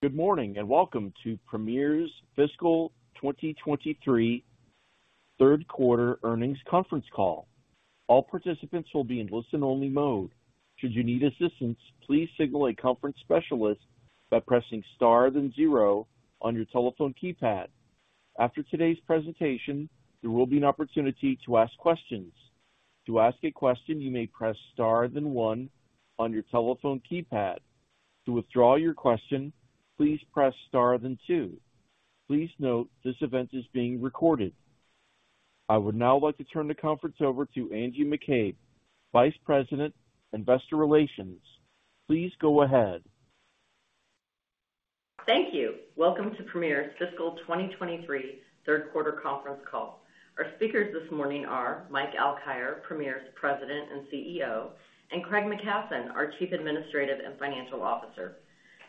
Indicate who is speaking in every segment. Speaker 1: Good morning, and welcome to Premier's Fiscal 2023 Q3 Earnings Conference Call. All participants will be in listen-only mode. Should you need assistance, please signal a conference specialist by pressing star then zero on your telephone keypad. After today's presentation, there will be an opportunity to ask questions. To ask a question, you may press star then one on your telephone keypad. To withdraw your question, please press star then two. Please note this event is being recorded. I would now like to turn the conference over to Angie McCabe, Vice President, Investor Relations. Please go ahead.
Speaker 2: Thank you. Welcome to Premier's Fiscal 2023 Q3 Conference Call. Our speakers this morning are Mike Alkire, Premier's President and CEO, and Craig McKasson, our Chief Administrative and Financial Officer.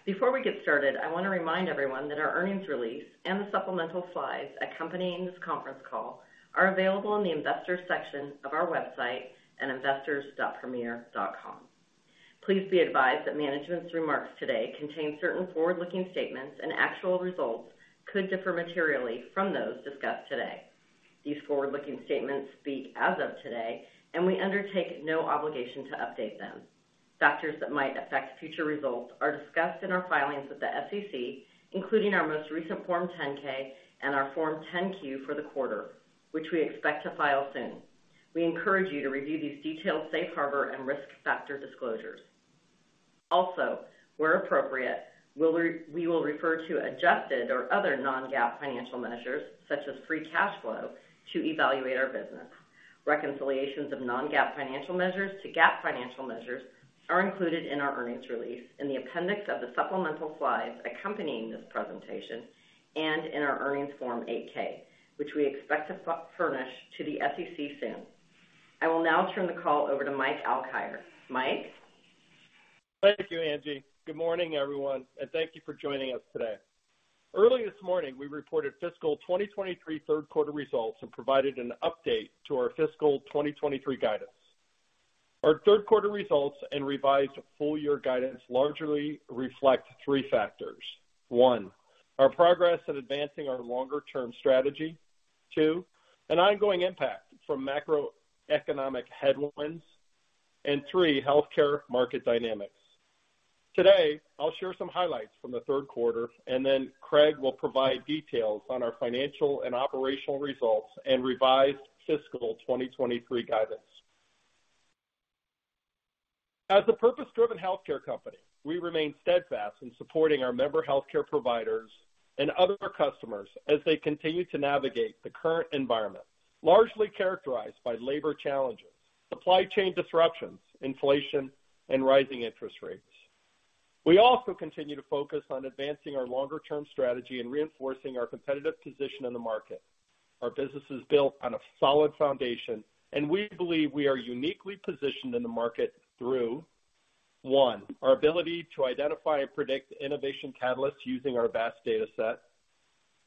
Speaker 2: Before we get started, I wanna remind everyone that our earnings release and the supplemental slides accompanying this conference call are available in the investors section of our website at investors.premier.com. Please be advised that management's remarks today contain certain forward-looking statements. Actual results could differ materially from those discussed today. These forward-looking statements speak as of today. We undertake no obligation to update them. Factors that might affect future results are discussed in our filings with the SEC, including our most recent Form 10-K and our Form 10-Q for the quarter, which we expect to file soon. We encourage you to review these detailed safe harbor and risk factor disclosures. Where appropriate, we will refer to adjusted or other non-GAAP financial measures, such as free cash flow, to evaluate our business. Reconciliations of non-GAAP financial measures to GAAP financial measures are included in our earnings release in the appendix of the supplemental slides accompanying this presentation and in our earnings Form 8-K, which we expect to furnish to the SEC soon. I will now turn the call over to Mike Alkire. Mike?
Speaker 3: Thank you, Angie. Good morning, everyone. Thank you for joining us today. Early this morning, we reported fiscal 2023 Q3 results and provided an update to our fiscal 2023 guidance. Our Q3 results and revised full year guidance largely reflect three factors. One, our progress at advancing our longer-term strategy. Two, an ongoing impact from macroeconomic headwinds. Three, healthcare market dynamics. Today, I'll share some highlights from the Q3. Craig will provide details on our financial and operational results and revised fiscal 2023 guidance. As a purpose-driven healthcare company, we remain steadfast in supporting our member healthcare providers and other customers as they continue to navigate the current environment, largely characterized by labor challenges, supply chain disruptions, inflation, and rising interest rates. We also continue to focus on advancing our longer-term strategy and reinforcing our competitive position in the market. Our business is built on a solid foundation, and we believe we are uniquely positioned in the market through, one, our ability to identify and predict innovation catalysts using our vast data set.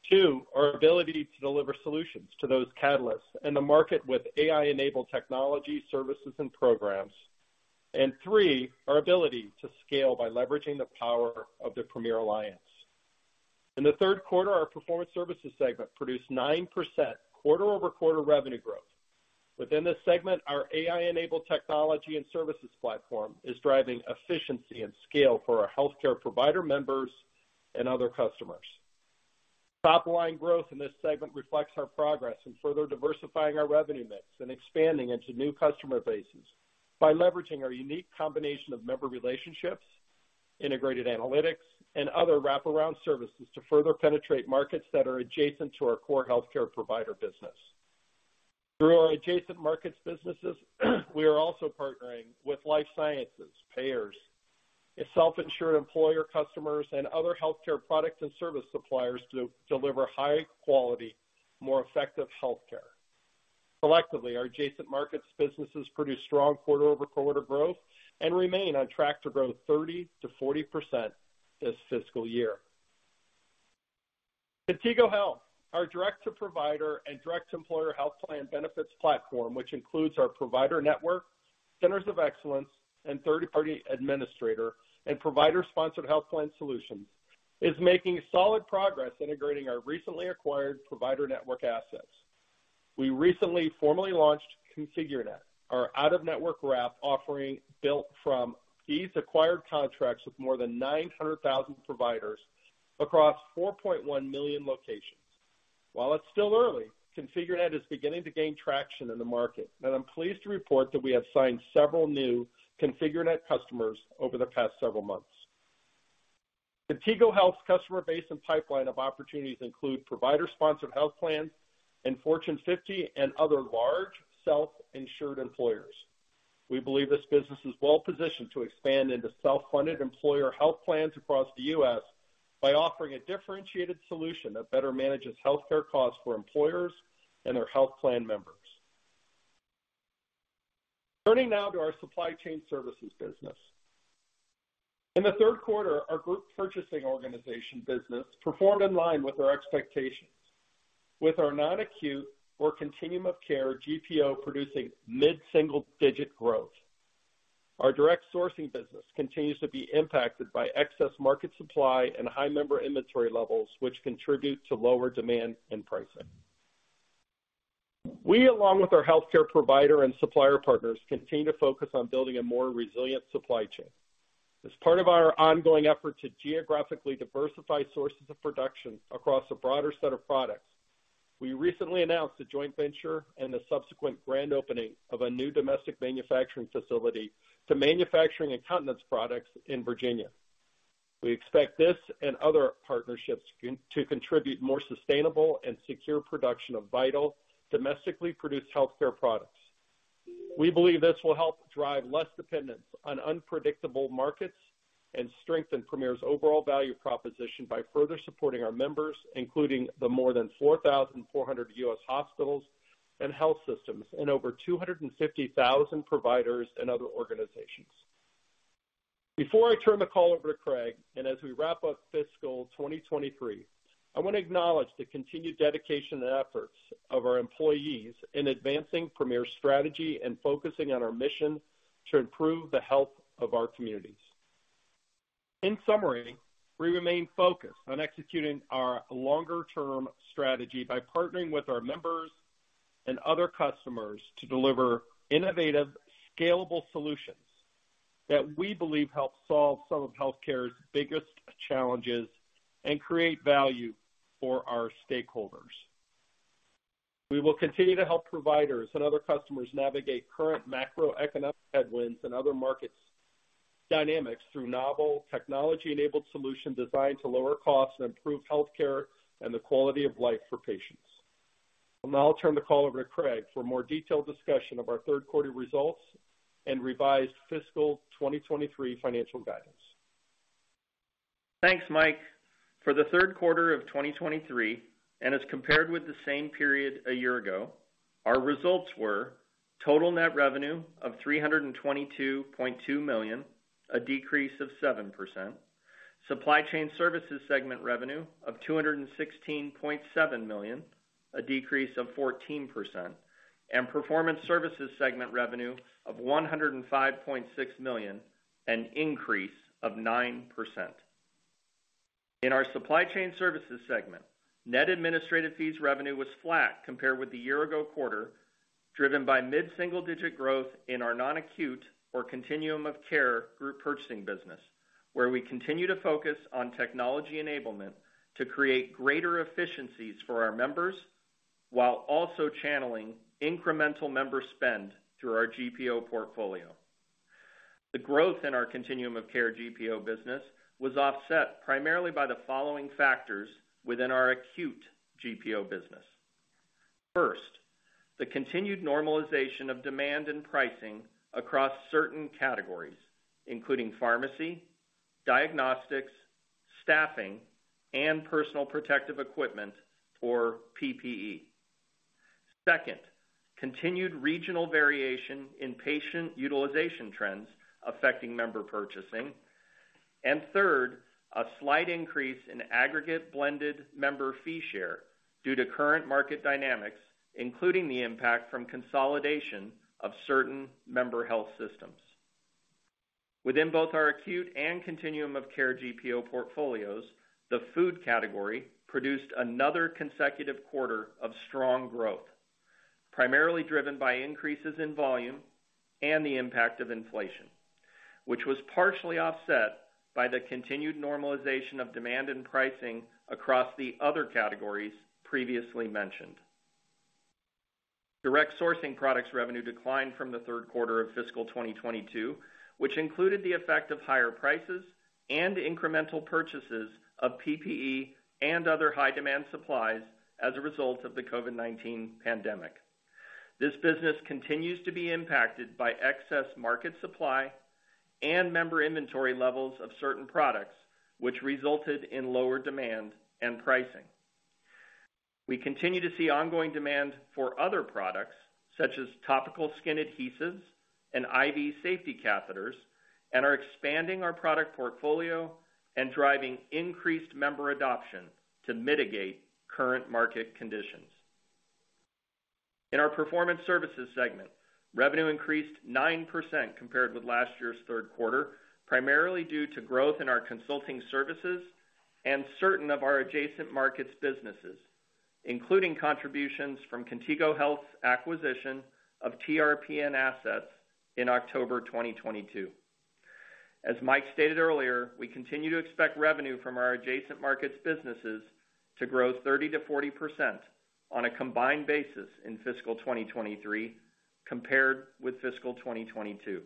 Speaker 3: Two, our ability to deliver solutions to those catalysts and the market with AI-enabled technology, services, and programs. Three, our ability to scale by leveraging the power of the Premier Alliance. In the Q3, our performance services segment produced 9% quarter-over-quarter revenue growth. Within this segment, our AI-enabled technology and services platform is driving efficiency and scale for our healthcare provider members and other customers. Top line growth in this segment reflects our progress in further diversifying our revenue mix and expanding into new customer bases by leveraging our unique combination of member relationships, integrated analytics, and other wraparound services to further penetrate markets that are adjacent to our core healthcare provider business. Through our adjacent markets businesses, we are also partnering with life sciences, payers, self-insured employer customers, and other healthcare products and service suppliers to deliver high quality, more effective healthcare. Collectively, our adjacent markets businesses produce strong quarter-over-quarter growth and remain on track to grow 30%-40% this fiscal year. Contigo Health, our direct to provider and direct employer health plan benefits platform, which includes our provider network, centers of excellence, and third-party administrator and provider-sponsored health plan solutions, is making solid progress integrating our recently acquired provider network assets. We recently formally launched ConfigureNet, our out-of-network wrap offering built from these acquired contracts with more than 900,000 providers across 4.1 million locations. While it's still early, ConfigureNet is beginning to gain traction in the market, and I'm pleased to report that we have signed several new ConfigureNet customers over the past several months. Contigo Health's customer base and pipeline of opportunities include provider-sponsored health plans and Fortune 50 and other large self-insured employers. We believe this business is well positioned to expand into self-funded employer health plans across the U.S. by offering a differentiated solution that better manages healthcare costs for employers and their health plan members. Turning now to our supply chain services business. In the 3rd quarter, our group purchasing organization business performed in line with our expectations. With our non-acute or Continuum of Care GPO producing mid-single digit growth. Our direct sourcing business continues to be impacted by excess market supply and high member inventory levels, which contribute to lower demand and pricing. We, along with our healthcare provider and supplier partners, continue to focus on building a more resilient supply chain. As part of our ongoing effort to geographically diversify sources of production across a broader set of products, we recently announced a joint venture and a subsequent grand opening of a new domestic manufacturing facility to manufacturing and continence products in Virginia. We expect this and other partnerships to contribute more sustainable and secure production of vital domestically produced healthcare products. We believe this will help drive less dependence on unpredictable markets and strengthen Premier's overall value proposition by further supporting our members, including the more than 4,400 U.S. hospitals and health systems and over 250,000 providers and other organizations. Before I turn the call over to Craig, and as we wrap up fiscal 2023, I wanna acknowledge the continued dedication and efforts of our employees in advancing Premier's strategy and focusing on our mission to improve the health of our communities. In summary, we remain focused on executing our longer-term strategy by partnering with our members and other customers to deliver innovative, scalable solutions that we believe help solve some of healthcare's biggest challenges and create value for our stakeholders. We will continue to help providers and other customers navigate current macroeconomic headwinds and other markets dynamics through novel technology-enabled solution designed to lower costs and improve healthcare and the quality of life for patients. I'll now turn the call over to Craig for a more detailed discussion of our Q3 results and revised fiscal 2023 financial guidance.
Speaker 4: Thanks, Mike. For the Q3 of 2023, and as compared with the same period a year ago, our results were: total net revenue of $322.2 million, a decrease of 7%. Supply Chain Services segment revenue of $216.7 million, a decrease of 14%. Performance Services segment revenue of $105.6 million, an increase of 9%. In our Supply Chain Services segment, net administrative fees revenue was flat compared with the year ago quarter, driven by mid-single digit growth in our non-acute or Continuum of Care group purchasing business, where we continue to focus on technology enablement to create greater efficiencies for our members, while also channeling incremental member spend through our GPO portfolio. The growth in our Continuum of Care GPO business was offset primarily by the following factors within our acute GPO business. First, the continued normalization of demand and pricing across certain categories, including pharmacy, diagnostics, staffing, and PPE. Second, continued regional variation in patient utilization trends affecting member purchasing. Third, a slight increase in aggregate blended member fee share due to current market dynamics, including the impact from consolidation of certain member health systems. Within both our acute and Continuum of Care GPO portfolios, the food category produced another consecutive quarter of strong growth, primarily driven by increases in volume and the impact of inflation, which was partially offset by the continued normalization of demand and pricing across the other categories previously mentioned. direct sourcing products revenue declined from the Q3 of fiscal 2022, which included the effect of higher prices and incremental purchases of PPE and other high demand supplies as a result of the COVID-19 pandemic. This business continues to be impacted by excess market supply and member inventory levels of certain products, which resulted in lower demand and pricing. We continue to see ongoing demand for other products, such as topical skin adhesives and safety IV catheters, and are expanding our product portfolio and driving increased member adoption to mitigate current market conditions. In our performance services segment, revenue increased 9% compared with last year's Q3, primarily due to growth in our consulting services and certain of our adjacent markets businesses, including contributions from Contigo Health's acquisition of TRPN assets in October 2022. As Mike stated earlier, we continue to expect revenue from our adjacent markets businesses to grow 30%-40% on a combined basis in fiscal 2023 compared with fiscal 2022.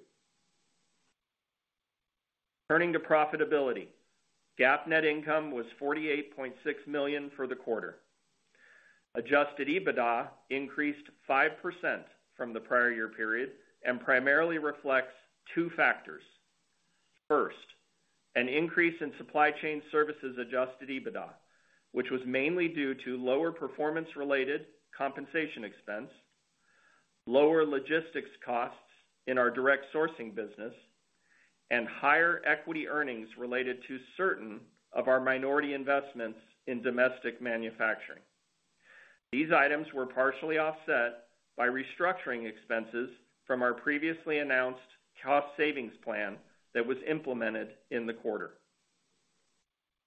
Speaker 4: Turning to profitability, GAAP net income was $48.6 million for the quarter. Adjusted EBITDA increased 5% from the prior year period and primarily reflects two factors. First, an increase in supply chain services adjusted EBITDA, which was mainly due to lower performance-related compensation expense, lower logistics costs in our direct sourcing business and higher equity earnings related to certain of our minority investments in domestic manufacturing. These items were partially offset by restructuring expenses from our previously announced cost savings plan that was implemented in the quarter.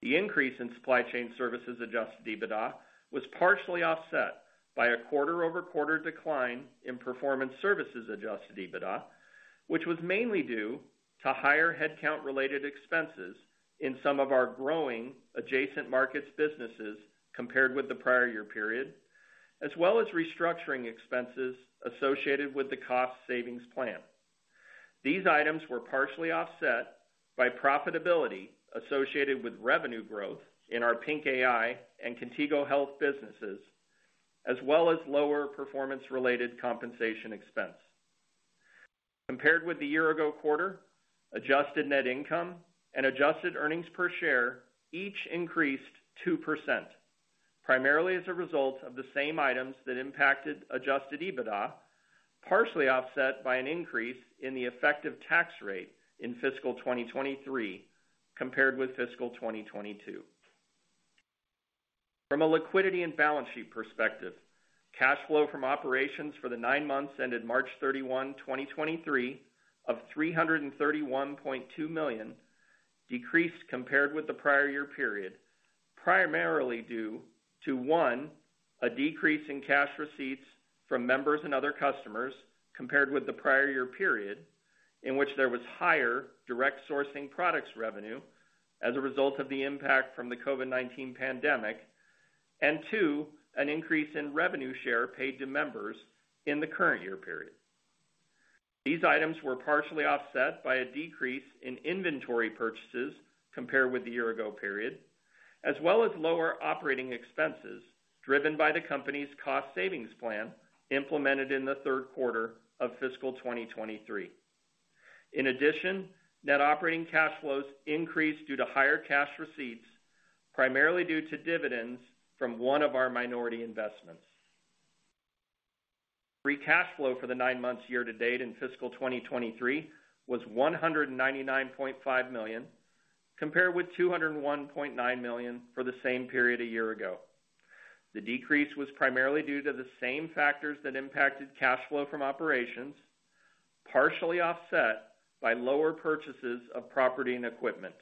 Speaker 4: The increase in supply chain services adjusted EBITDA was partially offset by a quarter-over-quarter decline in performance services adjusted EBITDA, which was mainly due to higher headcount related expenses in some of our growing adjacent markets businesses compared with the prior year period, as well as restructuring expenses associated with the cost savings plan. These items were partially offset by profitability associated with revenue growth in our PINC AI and Contigo Health businesses, as well as lower performance related compensation expense. Compared with the year-ago quarter, adjusted net income and adjusted earnings per share each increased 2%, primarily as a result of the same items that impacted adjusted EBITDA, partially offset by an increase in the effective tax rate in fiscal 2023 compared with fiscal 2022. From a liquidity and balance sheet perspective, cash flow from operations for the nine months ended March 31, 2023 of $331.2 million decreased compared with the prior year period, primarily due to, one, a decrease in cash receipts from members and other customers compared with the prior year period in which there was higher direct sourcing products revenue as a result of the impact from the COVID-19 pandemic. Two, an increase in revenue share paid to members in the current year period. These items were partially offset by a decrease in inventory purchases compared with the year-ago period, as well as lower operating expenses driven by the company's cost savings plan implemented in the Q3 of fiscal 2023. In addition, net operating cash flows increased due to higher cash receipts, primarily due to dividends from one of our minority investments. Free cash flow for the nine months year-to-date in fiscal 2023 was $199.5 million, compared with $201.9 million for the same period a year ago. The decrease was primarily due to the same factors that impacted cash flow from operations, partially offset by lower purchases of property and equipment,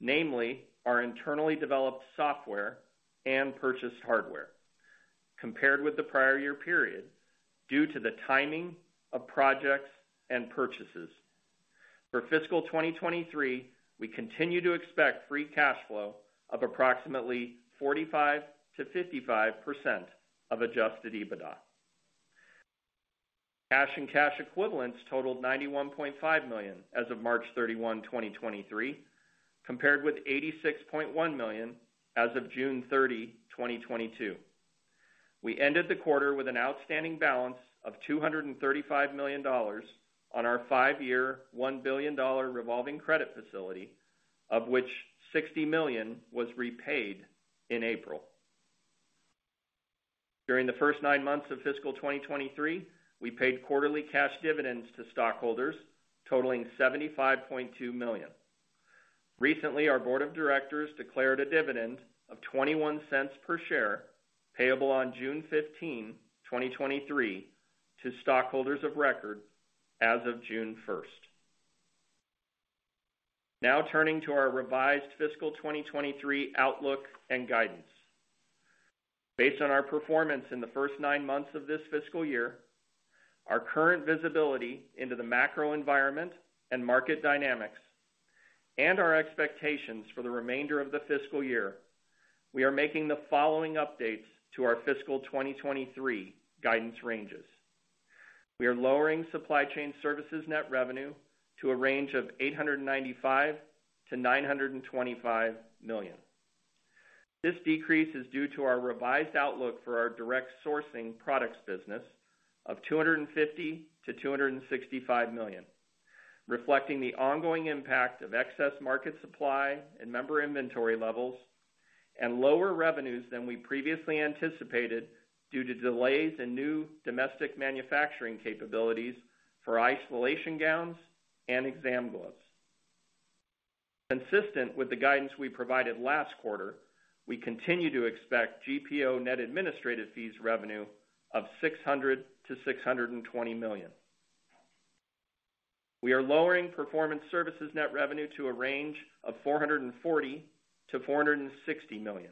Speaker 4: namely our internally developed software and purchased hardware compared with the prior year period due to the timing of projects and purchases. For fiscal 2023, we continue to expect free cash flow of approximately 45%-55% of adjusted EBITDA. Cash and cash equivalents totaled $91.5 million as of March 31, 2023, compared with $86.1 million as of June 30, 2022. We ended the quarter with an outstanding balance of $235 million on our 5-year, $1 billion revolving credit facility, of which $60 million was repaid in April. During the first nine months of fiscal 2023, we paid quarterly cash dividends to stockholders totaling $75.2 million. Recently, our board of directors declared a dividend of $0.21 per share, payable on June 15, 2023 to stockholders of record as of June 1st. Turning to our revised fiscal 2023 outlook and guidance. Based on our performance in the first nine months of this fiscal year, our current visibility into the macro environment and market dynamics, and our expectations for the remainder of the fiscal year, we are making the following updates to our fiscal 2023 guidance ranges. We are lowering supply chain services net revenue to a range of $895-$925 million. This decrease is due to our revised outlook for our direct sourcing products business of $250-$265 million, reflecting the ongoing impact of excess market supply and member inventory levels, and lower revenues than we previously anticipated due to delays in new domestic manufacturing capabilities for isolation gowns and exam gloves. Consistent with the guidance we provided last quarter, we continue to expect GPO net administrative fees revenue of $600-$620 million. We are lowering performance services net revenue to a range of $440-$460 million.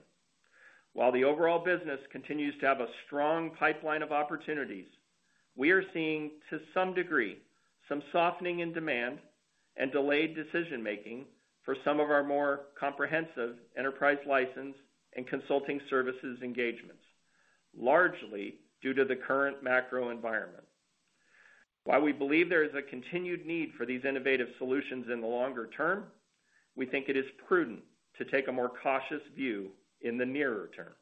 Speaker 4: While the overall business continues to have a strong pipeline of opportunities, we are seeing, to some degree, some softening in demand and delayed decision-making for some of our more comprehensive enterprise license and consulting services engagements, largely due to the current macro environment. While we believe there is a continued need for these innovative solutions in the longer term, we think it is prudent to take a more cautious view in the nearer term.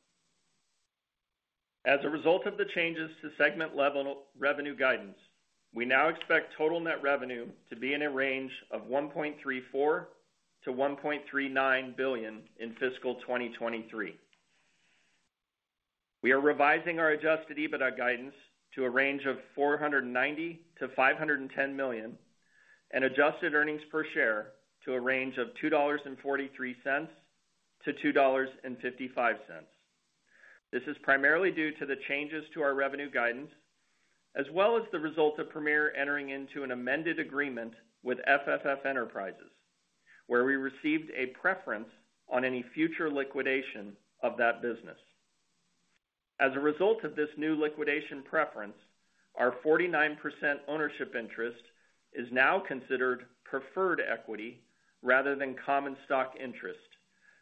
Speaker 4: As a result of the changes to segment level revenue guidance, we now expect total net revenue to be in a range of $1.34-$1.39 billion in fiscal 2023. We are revising our adjusted EBITDA guidance to a range of $490-$510 million, and adjusted earnings per share to a range of $2.43-$2.55. This is primarily due to the changes to our revenue guidance, as well as the result of Premier entering into an amended agreement with FFF Enterprises, where we received a preference on any future liquidation of that business. As a result of this new liquidation preference, our 49% ownership interest is now considered preferred equity rather than common stock interest,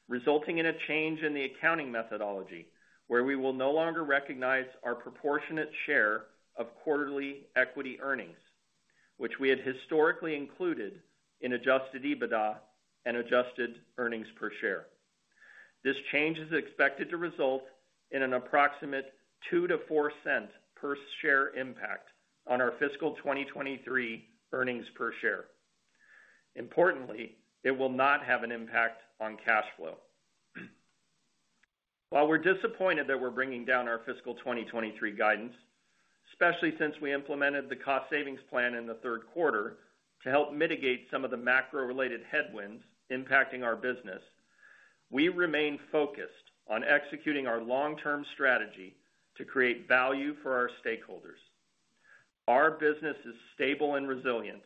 Speaker 4: resulting in a change in the accounting methodology, where we will no longer recognize our proportionate share of quarterly equity earnings, which we had historically included in adjusted EBITDA and adjusted earnings per share. This change is expected to result in an approximate $0.02-$0.04 per share impact on our fiscal 2023 earnings per share. Importantly, it will not have an impact on cash flow. While we're disappointed that we're bringing down our fiscal 2023 guidance, especially since we implemented the cost savings plan in the Q3 to help mitigate some of the macro-related headwinds impacting our business, we remain focused on executing our long-term strategy to create value for our stakeholders. Our business is stable and resilient,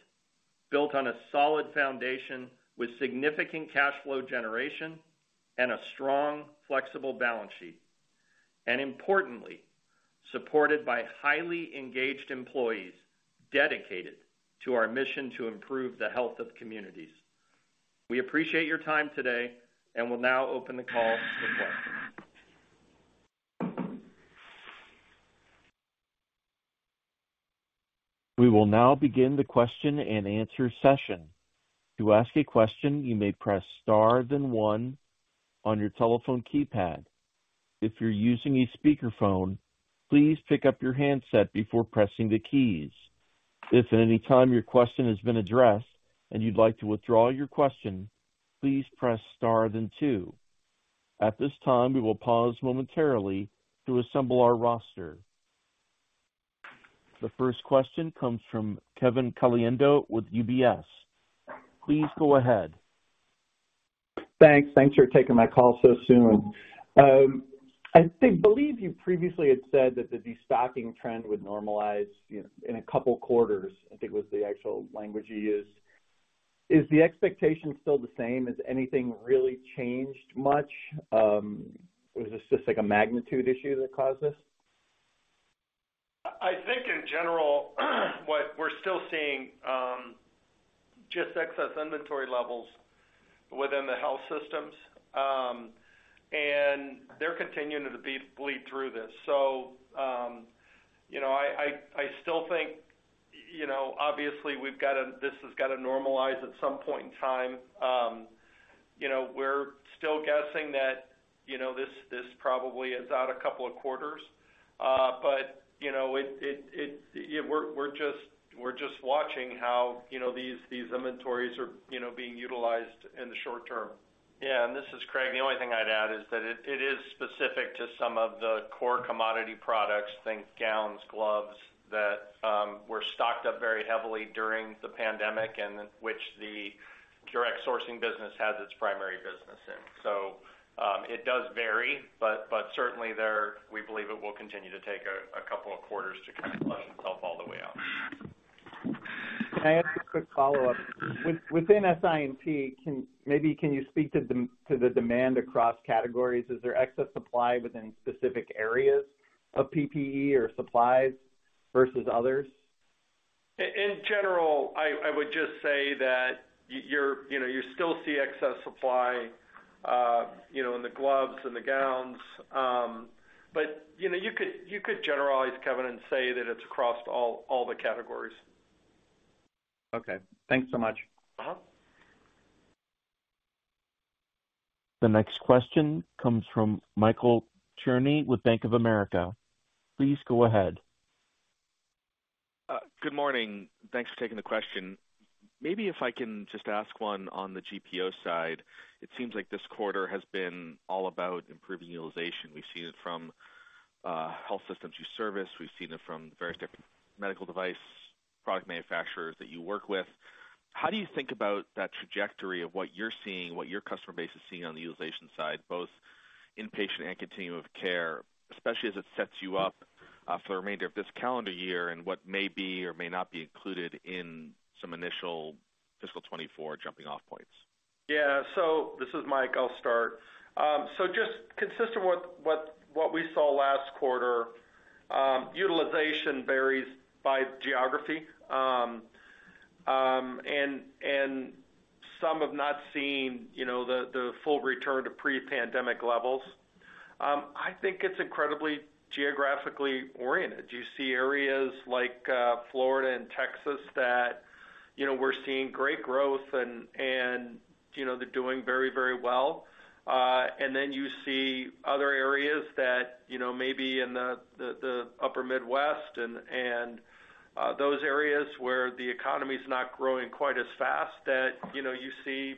Speaker 4: built on a solid foundation with significant cash flow generation and a strong, flexible balance sheet, and importantly, supported by highly engaged employees dedicated to our mission to improve the health of communities. We appreciate your time today and will now open the call for questions.
Speaker 1: We will now begin the question-and-answer session. To ask a question, you may press star then one on your telephone keypad. If you're using a speakerphone, please pick up your handset before pressing the keys. If at any time your question has been addressed and you'd like to withdraw your question, please press star then two. At this time, we will pause momentarily to assemble our roster. The first question comes from Kevin Caliendo with UBS. Please go ahead.
Speaker 3: Thanks. Thanks for taking my call so soon. I think, believe you previously had said that the destocking trend would normalize, you know, in a couple quarters, I think was the actual language you used. Is the expectation still the same? Has anything really changed much? Or is this just like a magnitude issue that caused this?
Speaker 4: I think in general, what we're still seeing, just excess inventory levels within the health systems, and they're continuing to bleed through this. You know, I still think, you know, obviously this has got to normalize at some point in time. You know, we're still guessing that, you know, this probably is out a couple of quarters. You know, we're just watching how, you know, these inventories are, you know, being utilized in the short term. This is Craig. The only thing I'd add is that it is specific to some of the core commodity products, think gowns, gloves, that were stocked up very heavily during the pandemic, and which the direct sourcing business has its primary business in. It does vary, but certainly there, we believe it will continue to take a couple of quarters to kind of flush itself all the way out.
Speaker 5: Can I ask a quick follow-up? Within S2S, maybe can you speak to the demand across categories? Is there excess supply within specific areas of PPE or supplies versus others?
Speaker 4: In general, I would just say that you're, you know, you still see excess supply, you know, in the gloves and the gowns. You know, you could generalize, Kevin, and say that it's across all the categories.
Speaker 5: Okay. Thanks so much.
Speaker 4: Uh-huh.
Speaker 1: The next question comes from Michael Cherny with Bank of America. Please go ahead.
Speaker 6: Good morning. Thanks for taking the question. Maybe if I can just ask one on the GPO side. It seems like this quarter has been all about improving utilization. We've seen it from health systems you service. We've seen it from various different medical device product manufacturers that you work with. How do you think about that trajectory of what you're seeing, what your customer base is seeing on the utilization side, both inpatient and Continuum of Care, especially as it sets you up for the remainder of this calendar year and what may be or may not be included in some initial fiscal 24 jumping off points?
Speaker 3: This is Mike. I'll start. Just consistent with what we saw last quarter, utilization varies by geography. And some have not seen, you know, the full return to pre-pandemic levels. I think it's incredibly geographically oriented. You see areas like Florida and Texas that, you know, we're seeing great growth and, you know, they're doing very, very well. Then you see other areas that, you know, maybe in the upper Midwest and those areas where the economy is not growing quite as fast that, you know, you still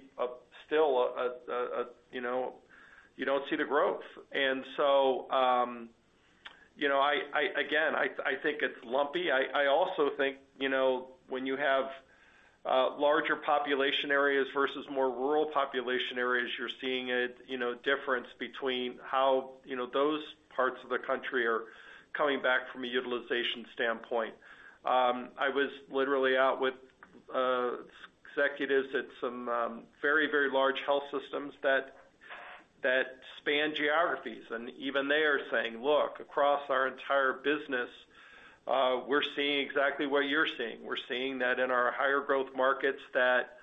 Speaker 3: don't see the growth. You know, I, again, I think it's lumpy. I also think, you know, when you have larger population areas versus more rural population areas, you're seeing a, you know, difference between how, you know, those parts of the country are coming back from a utilization standpoint. I was literally out with executives at some very large health systems that span geographies. Even they are saying, "Look, across our entire business, we're seeing exactly what you're seeing. We're seeing that in our higher growth markets that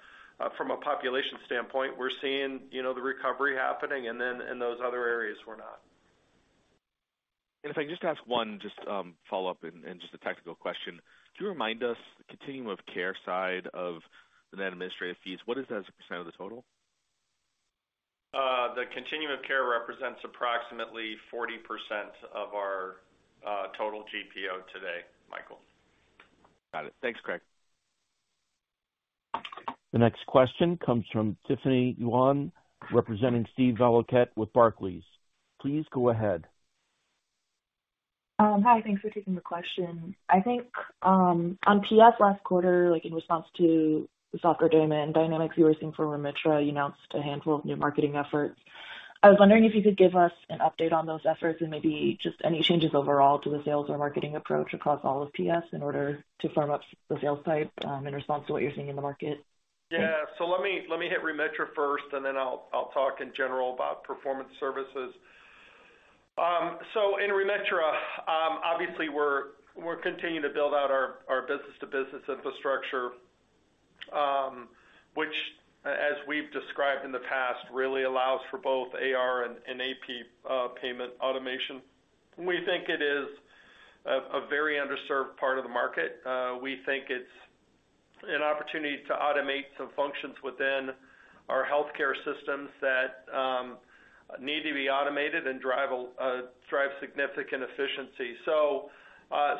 Speaker 3: from a population standpoint, we're seeing, you know, the recovery happening, and then in those other areas, we're not.
Speaker 6: If I can just ask one just, follow-up and just a technical question. Could you remind us the Continuum of Care side of the net administrative fees, what is that as a % of the total?
Speaker 4: The Continuum of Care represents approximately 40% of our total GPO today, Michael.
Speaker 6: Got it. Thanks, Craig.
Speaker 1: The next question comes from Tiffany Yuan, representing Steve Valiquette with Barclays. Please go ahead.
Speaker 7: Hi. Thanks for taking the question. I think, on PS last quarter, like in response to the softer demand, direct sourcing for Remitra™, you announced a handful of new marketing efforts. I was wondering if you could give us an update on those efforts and maybe just any changes overall to the sales or marketing approach across all of PS in order to firm up the sales pipe in response to what you're seeing in the market.
Speaker 3: Yeah. Let me hit Remitra™ first, and then I'll talk in general about Performance Services. In Remitra™, obviously, we're continuing to build out our business-to-business infrastructure, which, as we've described in the past, really allows for both AR and AP payment automation. We think it is a very underserved part of the market. We think it's an opportunity to automate some functions within our healthcare systems that need to be automated and drive significant efficiency.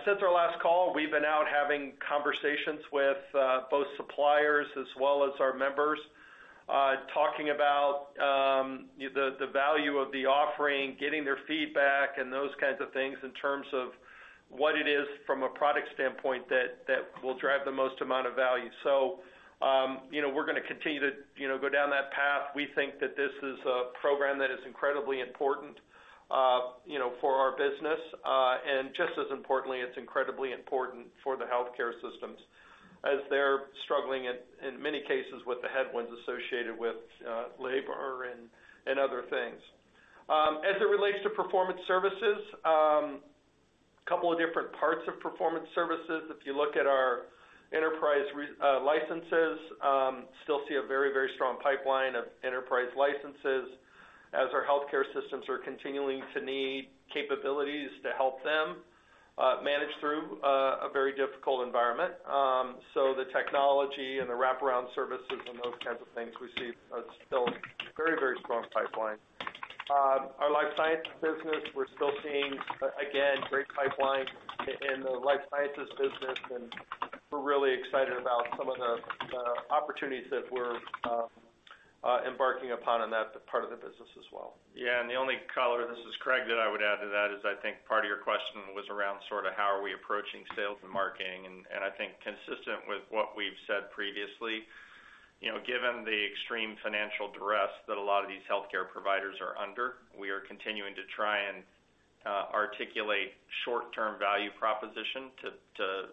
Speaker 3: Since our last call, we've been out having conversations with both suppliers as well as our members, talking about the value of the offering, getting their feedback and those kinds of things in terms of what it is from a product standpoint that will drive the most amount of value. You know, we're gonna continue to, you know, go down that path. We think that this is a program that is incredibly important, you know, for our business. Just as importantly, it's incredibly important for the healthcare systems as they're struggling in many cases with the headwinds associated with labor and other things. As it relates to Performance Services, couple of different parts of Performance Services. If you look at our enterprise licenses, still see a very, very strong pipeline of enterprise licenses as our healthcare systems are continuing to need capabilities to help them manage through a very difficult environment. The technology and the wraparound services and those kinds of things we see still very, very strong pipeline. Our life sciences business, we're still seeing, again, great pipeline in the life sciences business, and we're really excited about some of the opportunities that we're embarking upon in that part of the business as well.
Speaker 4: Yeah. The only color, this is Craig, that I would add to that is I think part of your question was around sort of how are we approaching sales and marketing. I think consistent with what we've said previously, you know, given the extreme financial duress that a lot of these healthcare providers are under, we are continuing to try and articulate short-term value proposition to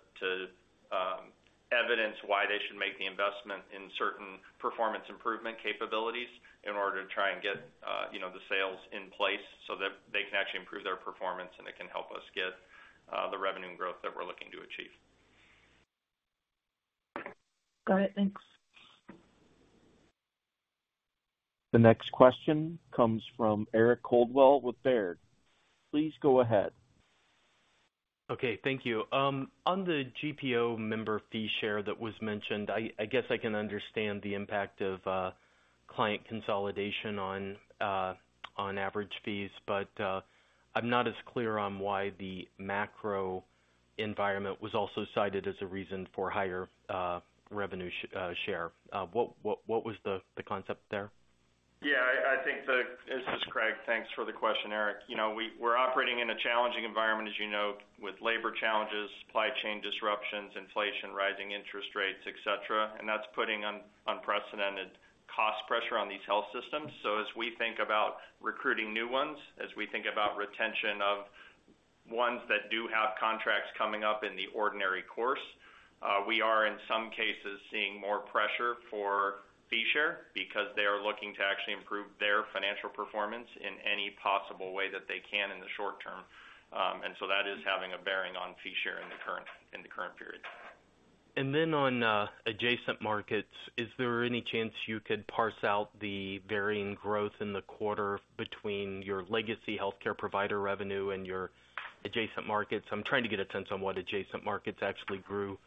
Speaker 4: evidence why they should make the investment in certain performance improvement capabilities in order to try and get, you know, the sales in place so that they can actually improve their performance, and it can help us get the revenue and growth that we're looking to achieve.
Speaker 7: Got it. Thanks.
Speaker 1: The next question comes from Eric Coldwell with Baird. Please go ahead.
Speaker 8: Thank you. On the GPO member fee share that was mentioned, I guess I can understand the impact of client consolidation on average fees, but I'm not as clear on why the macro environment was also cited as a reason for higher revenue share. What was the concept there?
Speaker 4: Yeah. This is Craig. Thanks for the question, Eric. You know, we're operating in a challenging environment, as you note, with labor challenges, supply chain disruptions, inflation, rising interest rates, et cetera, and that's putting unprecedented cost pressure on these health systems. As we think about recruiting new ones, as we think about retention of ones that do have contracts coming up in the ordinary course, we are in some cases seeing more pressure for fee share because they are looking to actually improve their financial performance in any possible way that they can in the short term. That is having a bearing on fee share in the current, in the current period.
Speaker 8: Then on Adjacent Markets, is there any chance you could parse out the varying growth in the quarter between your legacy healthcare provider revenue and your Adjacent Markets? I'm trying to get a sense on what Adjacent Markets actually grew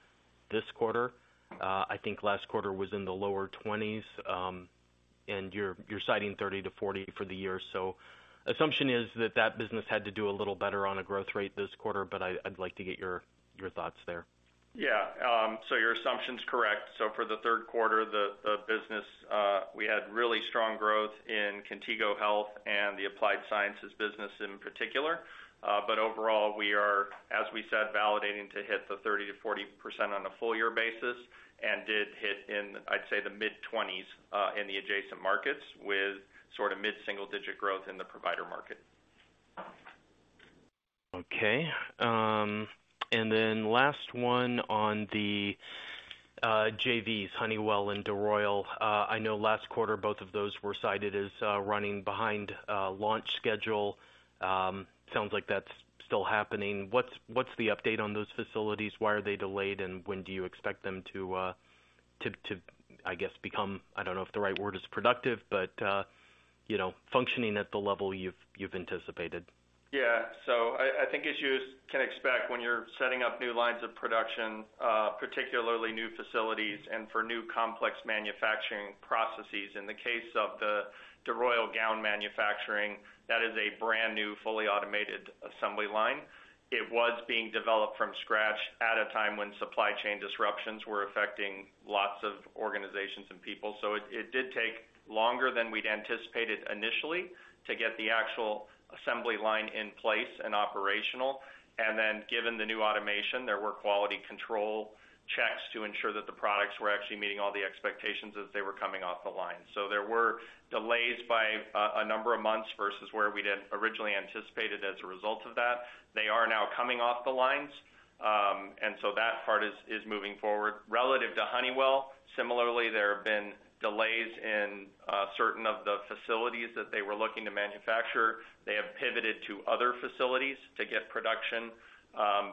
Speaker 8: this quarter. I think last quarter was in the lower 20s%, and you're citing 30%-40% for the year. Assumption is that that business had to do a little better on a growth rate this quarter, but I'd like to get your thoughts there.
Speaker 4: Yeah. Your assumption's correct. For the Q3, the business, we had really strong growth in Contigo Health and the Applied Sciences business in particular. Overall, we are, as we said, validating to hit the 30%-40% on a full year basis and did hit in, I'd say, the mid-20s in the adjacent markets with sort of mid-single-digit growth in the provider market.
Speaker 8: Okay. And then last one on the JVs, Honeywell and DeRoyal. I know last quarter both of those were cited as running behind launch schedule. Sounds like that's still happening. What's the update on those facilities? Why are they delayed, and when do you expect them to, I guess, become, I don't know if the right word is productive, but, you know, functioning at the level you've anticipated?
Speaker 4: Yeah. I think as you can expect when you're setting up new lines of production, particularly new facilities and for new complex manufacturing processes. In the case of the DeRoyal gown manufacturing, that is a brand-new, fully automated assembly line. It was being developed from scratch at a time when supply chain disruptions were affecting lots of organizations and people. It did take longer than we'd anticipated initially to get the actual assembly line in place and operational. Given the new automation, there were quality control checks to ensure that the products were actually meeting all the expectations as they were coming off the line. There were delays by a number of months versus where we'd originally anticipated as a result of that. They are now coming off the lines, that part is moving forward. Relative to Honeywell, similarly, there have been delays in certain of the facilities that they were looking to manufacture. They have pivoted to other facilities to get production,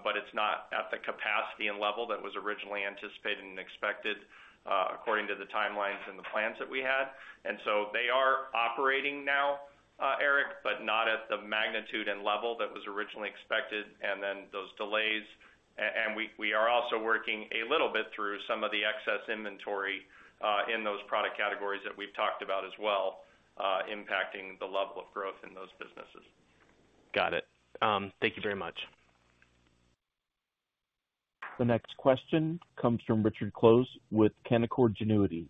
Speaker 4: but it's not at the capacity and level that was originally anticipated and expected, according to the timelines and the plans that we had. They are operating now, Eric, but not at the magnitude and level that was originally expected. Those delays. We are also working a little bit through some of the excess inventory in those product categories that we've talked about as well, impacting the level of growth in those businesses.
Speaker 8: Got it. Thank you very much.
Speaker 1: The next question comes from Richard Close with Canaccord Genuity.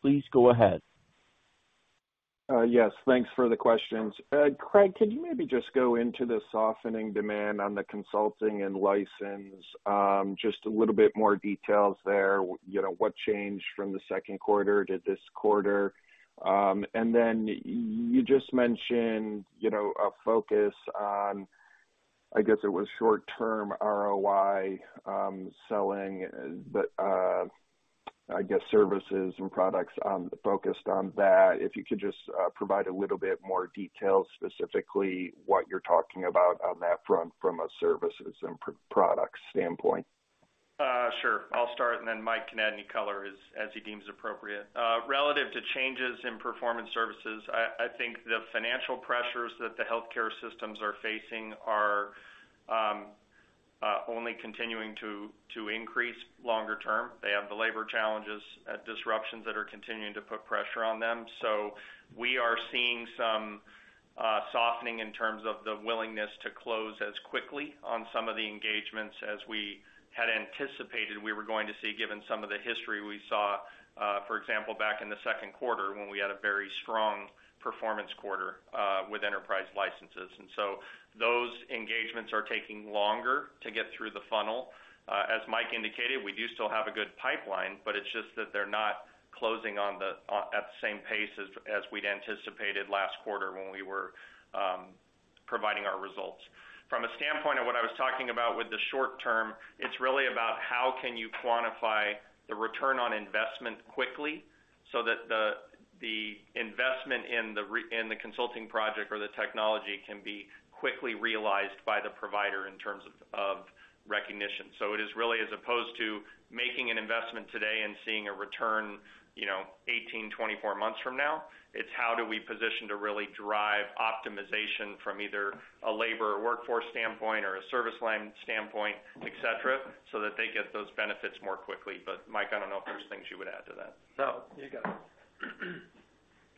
Speaker 1: Please go ahead.
Speaker 9: Yes. Thanks for the questions. Craig, could you maybe just go into the softening demand on the consulting and license, just a little bit more details there, you know, what changed from the Q2 to this quarter? You just mentioned, you know, a focus on, I guess, it was short-term ROI selling, but, I guess, services and products focused on that. If you could just provide a little bit more detail, specifically what you're talking about on that front from a services and products standpoint.
Speaker 4: Sure. I'll start, then Mike can add any color as he deems appropriate. Relative to changes in performance services, I think the financial pressures that the healthcare systems are facing are only continuing to increase longer term. They have the labor challenges, disruptions that are continuing to put pressure on them. We are seeing some softening in terms of the willingness to close as quickly on some of the engagements as we had anticipated we were going to see, given some of the history we saw, for example, back in the Q2 when we had a very strong performance quarter with enterprise licenses. Those engagements are taking longer to get through the funnel. As Mike indicated, we do still have a good pipeline, it's just that they're not closing at the same pace as we'd anticipated last quarter when we were providing our results. From a standpoint of what I was talking about with the short term, it's really about how can you quantify the ROI quickly so that the investment in the consulting project or the technology can be quickly realized by the provider in terms of recognition. It is really as opposed to making an investment today and seeing a return, you know, 18-24 months from now. It's how do we position to really drive optimization from either a labor or workforce standpoint or a service line standpoint, et cetera, so that they get those benefits more quickly. Mike, I don't know if there's things you would add to that.
Speaker 3: No, you got it.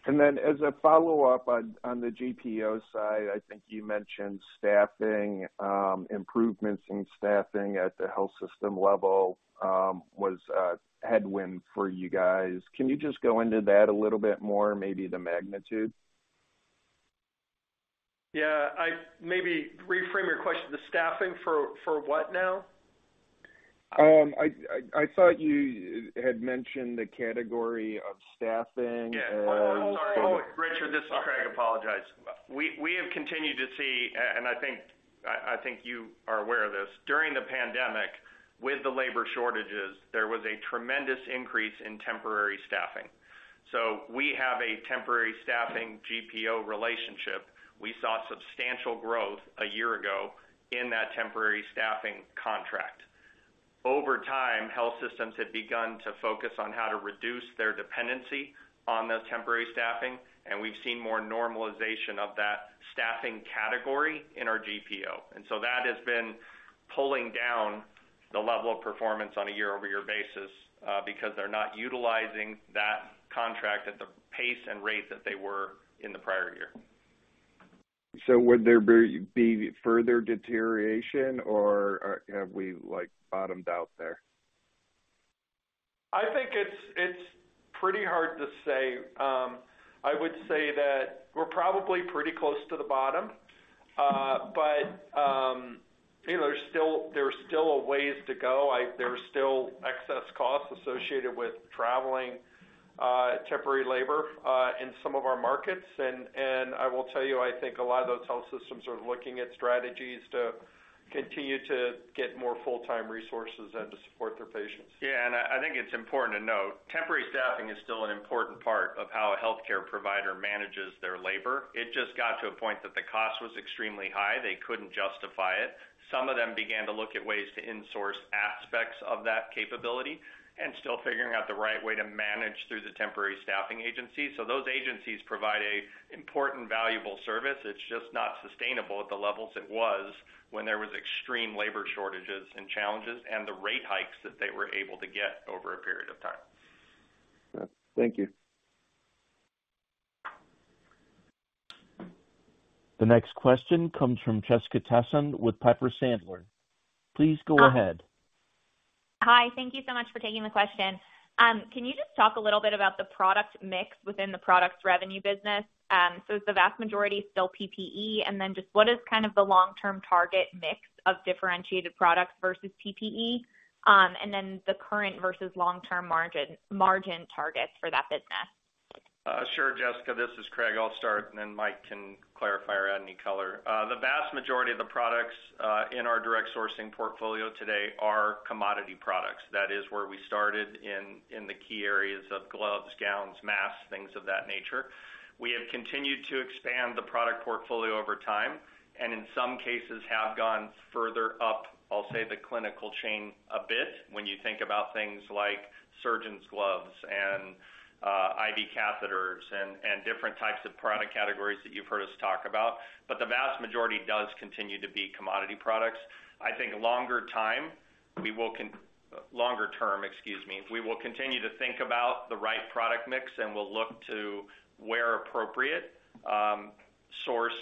Speaker 9: As a follow-up on the GPO side, I think you mentioned staffing improvements in staffing at the health system level was a headwind for you guys. Can you just go into that a little bit more, maybe the magnitude?
Speaker 4: Yeah. Maybe reframe your question. The staffing for what now?
Speaker 9: I thought you had mentioned the category of staffing and.
Speaker 4: Yeah. Oh. Sorry. Richard Close, this is Craig McKasson. I apologize. We have continued to see, and I think you are aware of this. During the pandemic, with the labor shortages, there was a tremendous increase in temporary staffing. We have a temporary staffing GPO relationship. We saw substantial growth a year ago in that temporary staffing contract. Over time, health systems have begun to focus on how to reduce their dependency on those temporary staffing, and we've seen more normalization of that staffing category in our GPO. That has been pulling down the level of performance on a year-over-year basis because they're not utilizing that contract at the pace and rate that they were in the prior year.
Speaker 9: Would there be further deterioration or, have we like bottomed out there?
Speaker 3: I think it's pretty hard to say. I would say that we're probably pretty close to the bottom. you know, there's still a ways to go. there's still excess costs associated with traveling, temporary labor, in some of our markets. I will tell you, I think a lot of those health systems are looking at strategies to continue to get more full-time resources and to support their patients.
Speaker 4: Yeah. I think it's important to note, temporary staffing is still an important part of how a healthcare provider manages their labor. It just got to a point that the cost was extremely high. They couldn't justify it. Some of them began to look at ways to insource aspects of that capability and still figuring out the right way to manage through the temporary staffing agency. Those agencies provide an important valuable service. It's just not sustainable at the levels it was when there was extreme labor shortages and challenges and the rate hikes that they were able to get over a period of time.
Speaker 9: Thank you.
Speaker 1: The next question comes from Jessica Tassan with Piper Sandler. Please go ahead.
Speaker 10: Hi. Thank you so much for taking the question. Can you just talk a little bit about the product mix within the products revenue business? Is the vast majority still PPE? Just what is kind of the long-term target mix of differentiated products versus PPE, and then the current versus long-term margin targets for that business?
Speaker 4: Sure, Jessica, this is Craig. I'll start, and then Mike can clarify or add any color. The vast majority of the products in our direct sourcing portfolio today are commodity products. That is where we started in the key areas of gloves, gowns, masks, things of that nature. We have continued to expand the product portfolio over time, and in some cases have gone further up, I'll say, the clinical chain a bit, when you think about things like surgeon gloves and IV catheters and different types of product categories that you've heard us talk about. The vast majority does continue to be commodity products. I think longer term, we will continue to think about the right product mix, and we'll look to where appropriate, source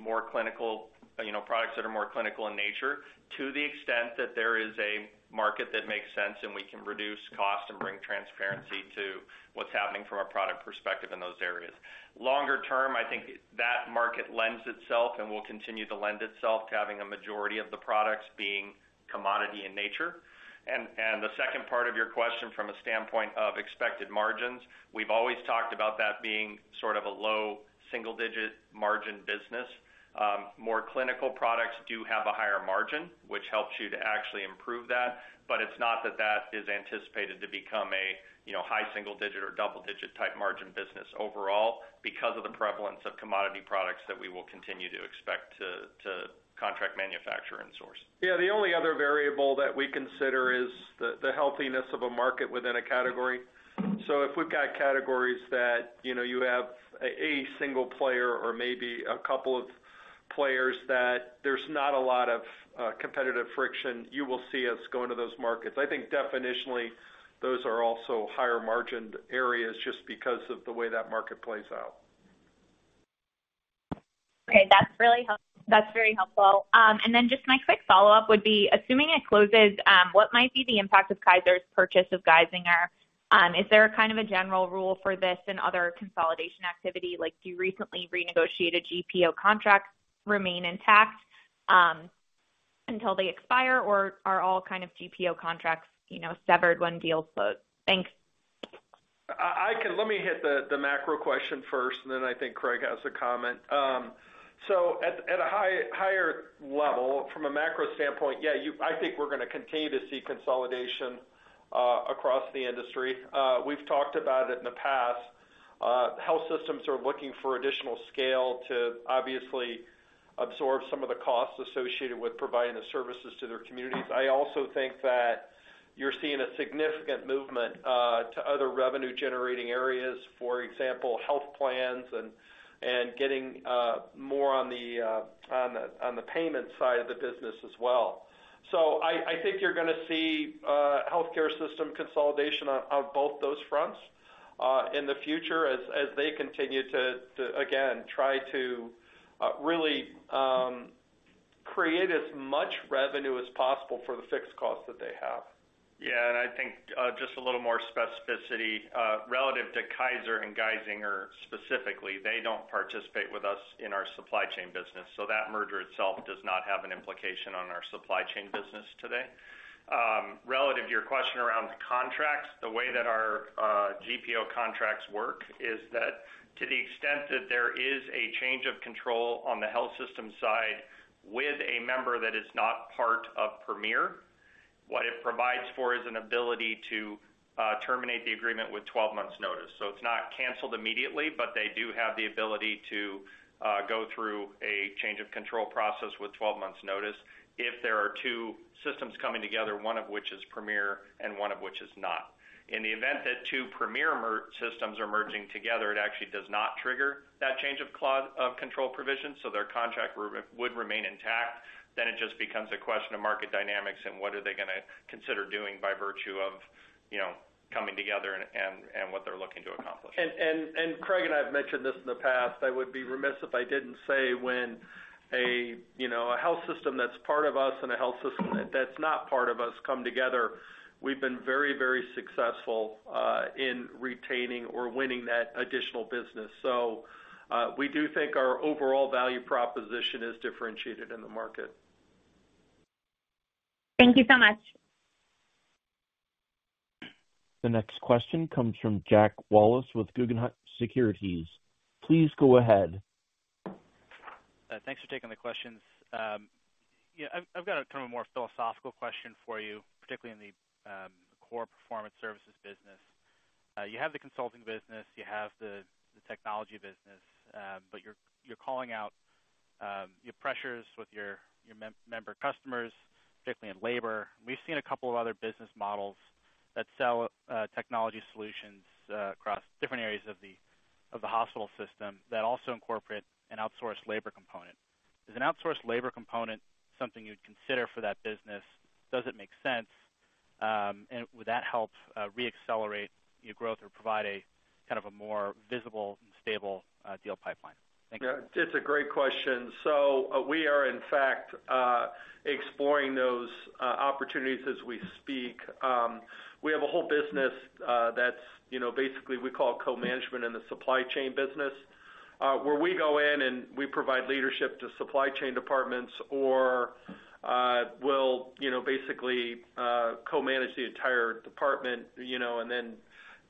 Speaker 4: more clinical, you know, products that are more clinical in nature to the extent that there is a market that makes sense and we can reduce cost and bring transparency to what's happening from a product perspective in those areas. Longer term, I think that market lends itself and will continue to lend itself to having a majority of the products being commodity in nature. The second part of your question from a standpoint of expected margins, we've always talked about that being sort of a low single-digit margin business. More clinical products do have a higher margin, which helps you to actually improve that. It's not that that is anticipated to become a, you know, high single digit or double digit type margin business overall because of the prevalence of commodity products that we will continue to expect to contract manufacture and source.
Speaker 3: Yeah. The only other variable that we consider is the healthiness of a market within a category. If we've got categories that, you know, you have a single player or maybe a couple of players that there's not a lot of competitive friction, you will see us go into those markets. I think definitionally, those are also higher margined areas just because of the way that market plays out.
Speaker 10: Okay. That's very helpful. Then just my quick follow-up would be, assuming it closes, what might be the impact of Kaiser's purchase of Geisinger? Is there a kind of a general rule for this and other consolidation activity? Like, do you recently renegotiated GPO contracts remain intact until they expire? Are all kind of GPO contracts, you know, severed when deals close? Thanks.
Speaker 3: I can Let me hit the macro question first, and then I think Craig McKasson has a comment. At a higher level, from a macro standpoint, yeah, I think we're gonna continue to see consolidation across the industry. We've talked about it in the past. Health systems are looking for additional scale to obviously absorb some of the costs associated with providing the services to their communities. I also think that you're seeing a significant movement to other revenue generating areas, for example, health plans and getting more on the payment side of the business as well. I think you're gonna see healthcare system consolidation on both those fronts in the future as they continue to again try to really create as much revenue as possible for the fixed costs that they have.
Speaker 4: Yeah. I think just a little more specificity relative to Kaiser and Geisinger specifically, they don't participate with us in our supply chain business. That merger itself does not have an implication on our supply chain business today. Relative to your question around the contracts, the way that our GPO contracts work is that to the extent that there is a change of control on the health system side with a member that is not part of Premier, what it provides for is an ability to terminate the agreement with 12 months notice. It's not canceled immediately, but they do have the ability to go through a change of control process with 12 months notice if there are two systems coming together, one of which is Premier and one of which is not. In the event that two Premier systems are merging together, it actually does not trigger that change of control provision, so their contract would remain intact. It just becomes a question of market dynamics and what are they gonna consider doing by virtue of, you know, coming together and what they're looking to accomplish.
Speaker 3: Craig and I have mentioned this in the past. I would be remiss if I didn't say when a, you know, a health system that's part of us and a health system that's not part of us come together, we've been very, very successful in retaining or winning that additional business. We do think our overall value proposition is differentiated in the market.
Speaker 10: Thank you so much.
Speaker 1: The next question comes from Jack Wallace with Guggenheim Securities. Please go ahead.
Speaker 11: Thanks for taking the questions. Yeah, I've got a kind of more philosophical question for you, particularly in the core performance services business. You have the consulting business, you have the technology business, but you're calling out your pressures with your member customers, particularly in labor. We've seen a couple of other business models that sell technology solutions across different areas of the hospital system that also incorporate an outsourced labor component. Is an outsourced labor component something you'd consider for that business? Does it make sense? Would that help re-accelerate your growth or provide a kind of a more visible and stable deal pipeline? Thank you.
Speaker 3: Yeah, it's a great question. We are in fact exploring those opportunities as we speak. We have a whole business that's, you know, basically we call co-management in the supply chain business, where we go in and we provide leadership to supply chain departments or we'll, you know, basically co-manage the entire department, you know, and then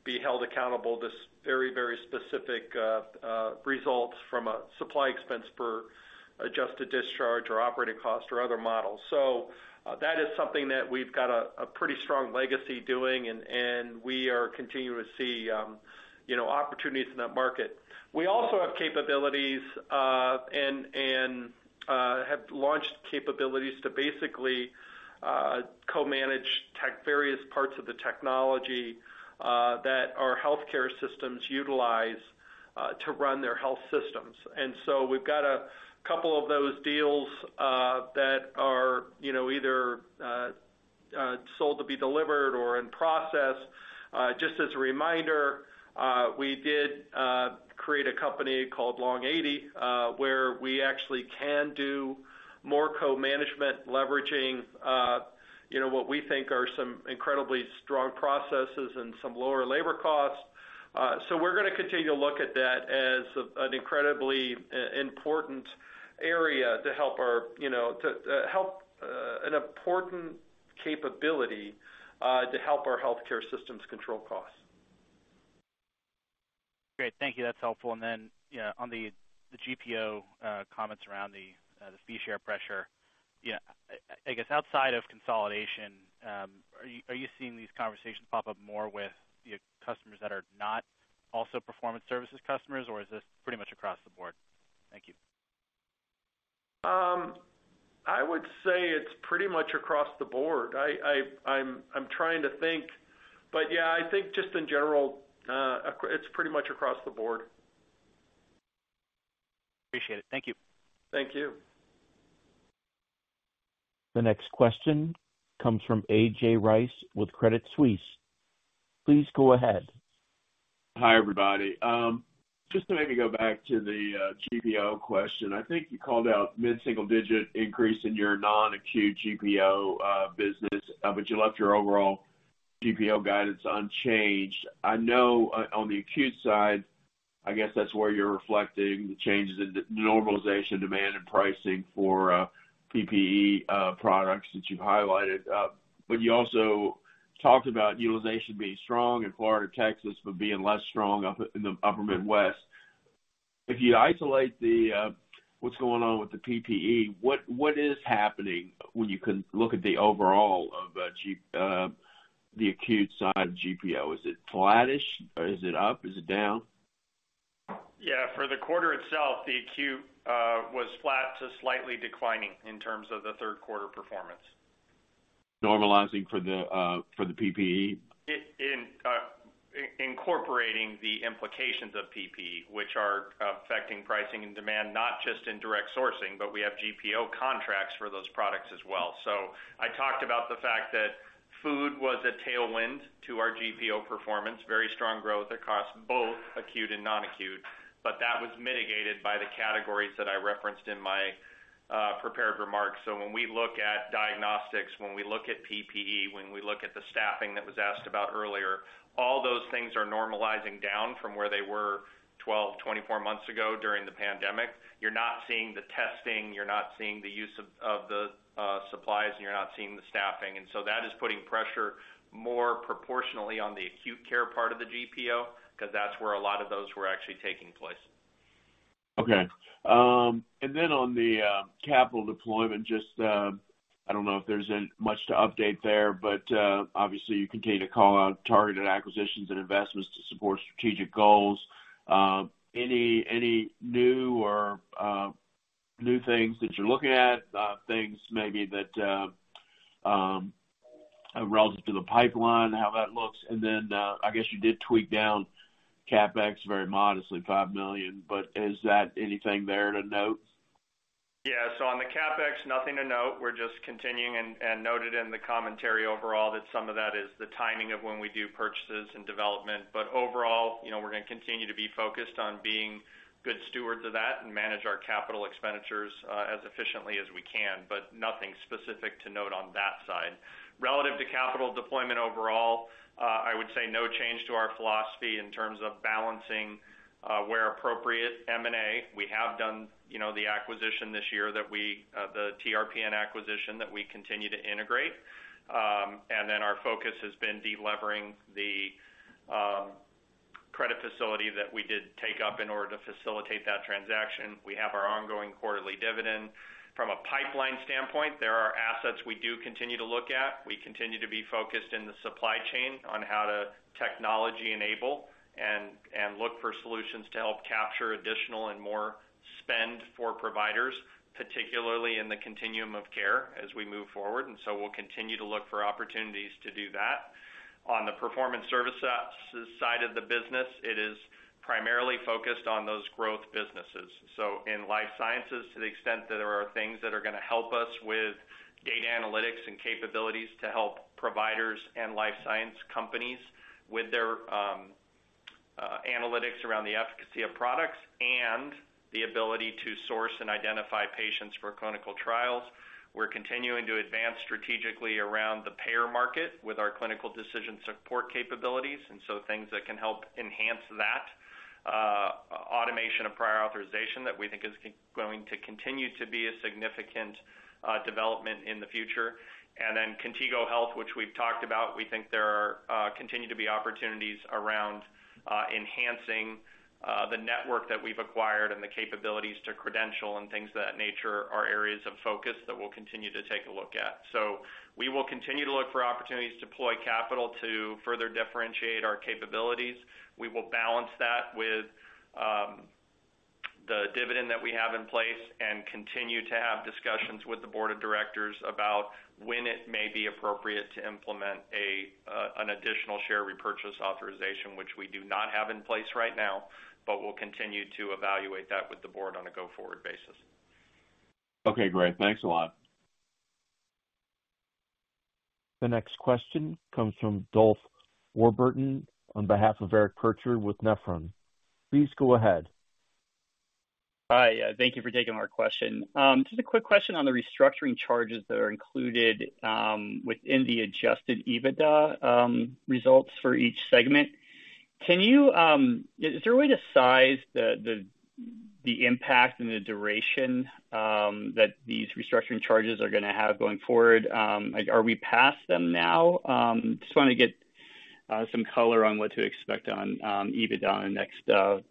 Speaker 3: be held accountable to very specific results from a supply expense per adjusted discharge or operating cost or other models. That is something that we've got a pretty strong legacy doing, and we are continuing to see, you know, opportunities in that market. We also have capabilities and have launched capabilities to basically co-manage various parts of the technology that our healthcare systems utilize to run their health systems. We've got a couple of those deals, you know, that are either sold to be delivered or in process. Just as a reminder, we did create a company called Longitude Health, where we actually can do more co-management leveraging, you know, what we think are some incredibly strong processes and some lower labor costs. We're gonna continue to look at that as an incredibly important area to help our, you know, to help an important capability to help our healthcare systems control costs.
Speaker 11: Great. Thank you. That's helpful. You know, on the GPO comments around the fee share pressure. You know, I guess outside of consolidation, are you seeing these conversations pop up more with your customers that are not also performance services customers, or is this pretty much across the board? Thank you.
Speaker 3: I would say it's pretty much across the board. I'm trying to think. yeah, I think just in general, it's pretty much across the board.
Speaker 11: Appreciate it. Thank you.
Speaker 3: Thank you.
Speaker 1: The next question comes from A.J. Rice with Credit Suisse. Please go ahead.
Speaker 12: Hi, everybody. Just to maybe go back to the GPO question? I think you called out mid-single digit increase in your non-acute GPO business, but you left your overall GPO guidance unchanged. I know on the acute side, I guess that's where you're reflecting the changes in the normalization demand and pricing for PPE products that you've highlighted. But you also talked about utilization being strong in Florida, Texas, but being less strong in the upper Midwest. If you isolate the what's going on with the PPE, what is happening when you look at the overall of the acute side GPO? Is it flattish or is it up? Is it down?
Speaker 3: Yeah. For the quarter itself, the acute was flat to slightly declining in terms of the Q3 performance.
Speaker 12: Normalizing for the, for the PPE?
Speaker 3: Incorporating the implications of PPE, which are affecting pricing and demand, not just in direct sourcing, but we have GPO contracts for those products as well. I talked about the fact that food was a tailwind to our GPO performance. Very strong growth across both acute and non-acute, but that was mitigated by the categories that I referenced in my prepared remarks. When we look at diagnostics, when we look at PPE, when we look at the staffing that was asked about earlier, all those things are normalizing down from where they were 12, 24 months ago during the pandemic. You're not seeing the testing, you're not seeing the use of the supplies, and you're not seeing the staffing. That is putting pressure more proportionally on the acute care part of the GPO, 'cause that's where a lot of those were actually taking place.
Speaker 12: Okay. On the capital deployment, just, I don't know if there's much to update there. Obviously you continue to call out targeted acquisitions and investments to support strategic goals. Any new or new things that you're looking at, things maybe that, relative to the pipeline, how that looks? I guess you did tweak down CapEx very modestly, $5 million, but is that anything there to note?
Speaker 4: Yeah. On the CapEx, nothing to note. We're just continuing and noted in the commentary overall that some of that is the timing of when we do purchases and development. Overall, you know, we're gonna continue to be focused on being good stewards of that and manage our capital expenditures as efficiently as we can, but nothing specific to note on that side. Relative to capital deployment overall, I would say no. Change to our philosophy in terms of balancing where appropriate M&A. We have done, you know, the acquisition this year that the TRPN acquisition that we continue to integrate. Then our focus has been de-levering the credit facility that we did take up in order to facilitate that transaction. We have our ongoing quarterly dividend. From a pipeline standpoint, there are assets we do continue to look at. We continue to be focused in the supply chain on how to technology enable and look for solutions to help capture additional and more spend for providers, particularly in the Continuum of Care as we move forward. We'll continue to look for opportunities to do that. On the performance services side of the business, it is primarily focused on those growth businesses. In life sciences, to the extent that there are things that are gonna help us with data analytics and capabilities to help providers and life science companies with their analytics around the efficacy of products and the ability to source and identify patients for clinical trials. We're continuing to advance strategically around the payer market with our clinical decision support capabilities, things that can help enhance that automation of prior authorization that we think is going to continue to be a significant development in the future. Contigo Health, which we've talked about, we think there are continue to be opportunities around enhancing the network that we've acquired and the capabilities to credential and things of that nature are areas of focus that we'll continue to take a look at. We will continue to look for opportunities to deploy capital to further differentiate our capabilities. We will balance that with the dividend that we have in place and continue to have discussions with the board of directors about when it may be appropriate to implement an additional share repurchase authorization, which we do not have in place right now, but we'll continue to evaluate that with the board on a go-forward basis.
Speaker 12: Okay, great. Thanks a lot.
Speaker 1: The next question comes from Dolph Warburton on behalf of Eric Percher with Nephron. Please go ahead.
Speaker 13: Hi. Thank you for taking our question. Just a quick question on the restructuring charges that are included within the adjusted EBITDA results for each segment. Can you Is there a way to size the impact and the duration that these restructuring charges are gonna have going forward? Are we past them now? Just wanna get some color on what to expect on EBITDA in the next,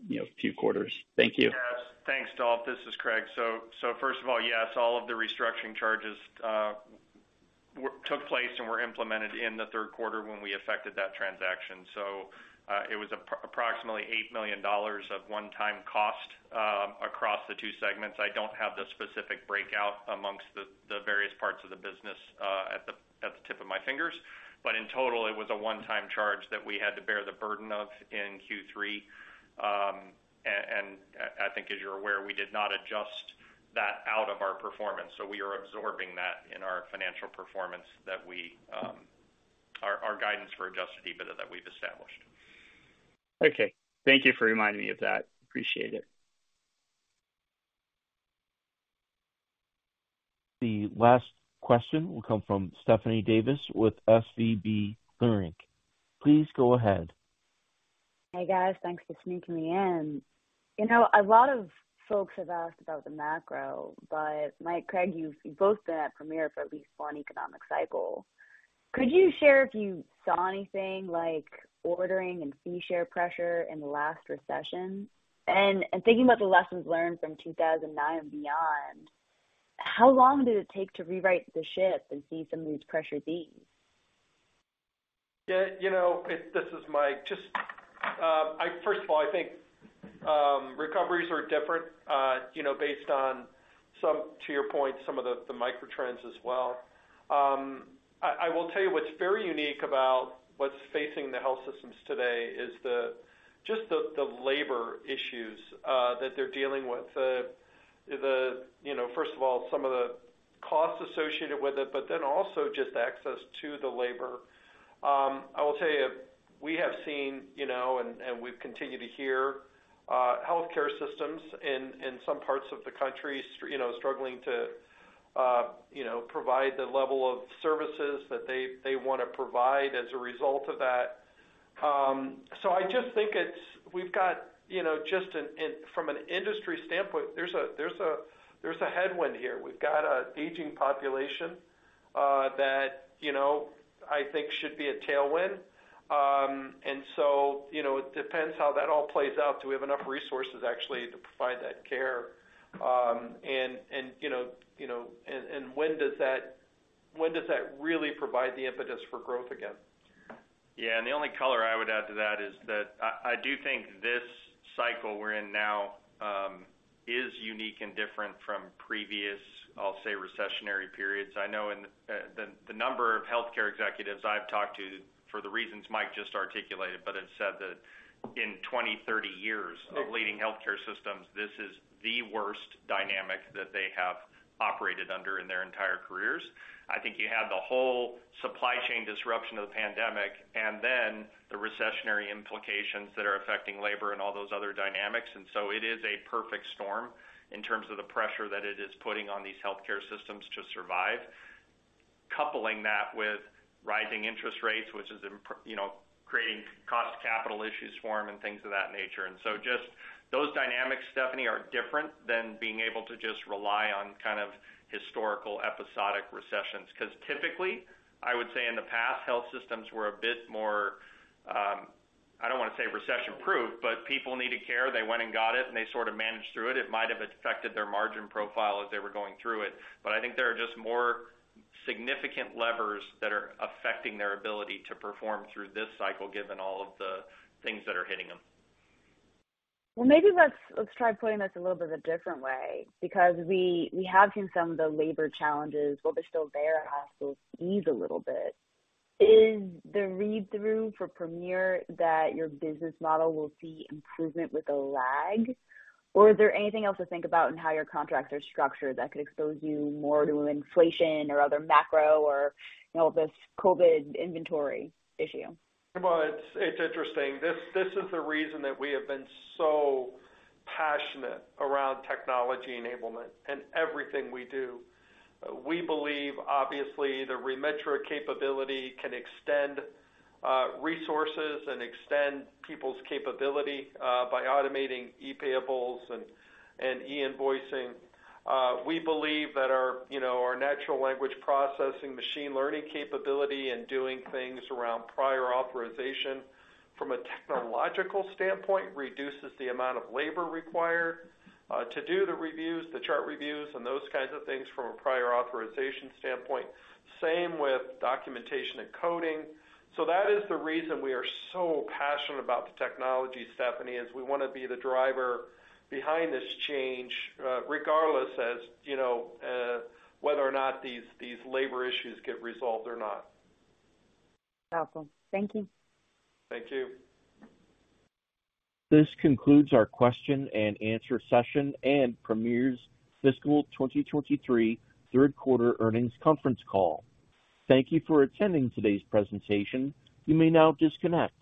Speaker 13: you know, few quarters. Thank you.
Speaker 4: Thanks, Dolph. This is Craig. First of all, yes, all of the restructuring charges took place and were implemented in the Q3 when we affected that transaction. Approximately $8 million of one-time cost across the two segments. I don't have the specific breakout amongst the various parts of the business at the tip of my fingers. In total, it was a one-time charge that we had to bear the burden of in Q3. And I think as you're aware, we did not adjust that out of our performance, we are absorbing that in our financial performance that we our guidance for adjusted EBITDA that we've established.
Speaker 13: Okay. Thank you for reminding me of that. Appreciate it.
Speaker 1: The last question will come from Stephanie Davis with SVB Leerink. Please go ahead.
Speaker 14: Hey, guys. Thanks for sneaking me in. You know, a lot of folks have asked about the macro. Mike, Craig, you've both been at Premier for at least one economic cycle. Could you share if you saw anything like ordering and fee share pressure in the last recession? Thinking about the lessons learned from 2009 and beyond, how long did it take to rewrite the ship and see some of these pressures ease?
Speaker 3: You know, it... This is Mike. Just, first of all, I think recoveries are different, you know, based on some, to your point, some of the microtrends as well. I will tell you what's very unique about what's facing the health systems today is the, just the labor issues that they're dealing with. The, the, you know, first of all, some of the costs associated with it, then also just access to the labor. I will tell you, we have seen, you know, and we've continued to hear healthcare systems in some parts of the country struggling to, you know, provide the level of services that they wanna provide as a result of that. I just think we've got, you know, just an... From an industry standpoint, there's a headwind here. We've got an aging population, that, you know, I think should be a tailwind. So, you know, it depends how that all plays out. Do we have enough resources actually to provide that care? You know, and when does that really provide the impetus for growth again?
Speaker 4: Yeah. The only color I would add to that is that I do think this cycle we're in now is unique and different from previous, I'll say, recessionary periods. I know in the number of healthcare executives I've talked to, for the reasons Mike just articulated, but have said that in 20, 30 years of leading healthcare systems, this is the worst dynamic that they have operated under in their entire careers. I think you had the whole supply chain disruption of the pandemic and then the recessionary implications that are affecting labor and all those other dynamics. It is a perfect storm in terms of the pressure that it is putting on these healthcare systems to survive.
Speaker 3: Coupling that with rising interest rates, which is you know, creating cost capital issues for them and things of that nature. Just those dynamics, Stephanie, are different than being able to just rely on kind of historical episodic recessions. Typically, I would say in the past, health systems were a bit more, I don't wanna say recession-proof, but people needed care, they went and got it, and they sort of managed through it. It might have affected their margin profile as they were going through it, but I think there are just more significant levers that are affecting their ability to perform through this cycle, given all of the things that are hitting them.
Speaker 14: Well, maybe let's try putting this a little bit of a different way because we have seen some of the labor challenges, while they're still there, have to ease a little bit. Is the read-through for Premier that your business model will see improvement with a lag? Is there anything else to think about in how your contracts are structured that could expose you more to inflation or other macro or, you know, this COVID inventory issue?
Speaker 3: Well, it's interesting. This is the reason that we have been so passionate around technology enablement in everything we do. We believe, obviously, the Remitra capability can extend resources and extend people's capability by automating e-payables and e-invoicing. We believe that our, you know, our natural language processing, machine learning capability and doing things around prior authorization from a technological standpoint reduces the amount of labor required to do the reviews, the chart reviews, and those kinds of things from a prior authorization standpoint. Same with documentation and coding. That is the reason we are so passionate about the technology, Stephanie, is we wanna be the driver behind this change, regardless as, you know, whether or not these labor issues get resolved or not.
Speaker 14: Awesome. Thank you.
Speaker 3: Thank you.
Speaker 1: This concludes our question and answer session and Premier's fiscal 2023 Q3 earnings conference call. Thank you for attending today's presentation. You may now disconnect.